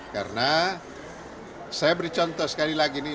karena saya beri contoh sekali lagi nih